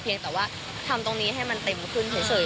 แต่ว่าทำตรงนี้ให้มันเต็มขึ้นเฉย